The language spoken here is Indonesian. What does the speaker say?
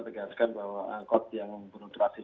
tegaskan bahwa angkut yang berlutasi